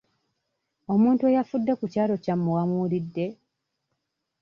Omuntu eyafudde ku kyalo kyammwe wamuwulidde?